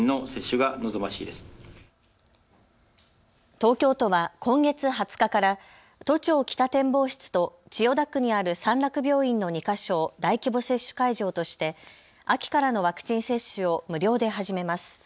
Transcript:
東京都は今月２０日から都庁北展望室と千代田区にある三落病院の２か所を大規模接種会場として秋からのワクチン接種を無料で始めます。